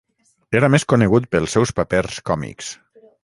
Era més conegut pels seus papers còmics.